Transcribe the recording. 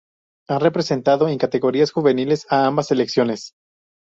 Ha representado en categorías juveniles a ambas selecciones.